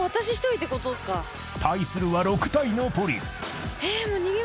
［対するは６体のポリス］